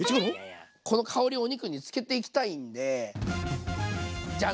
この香りをお肉につけていきたいんでジャン！